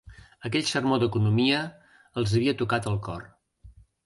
Aquell sermó d'economia els havia tocat el cor